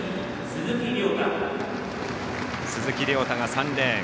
鈴木涼太が３レーン。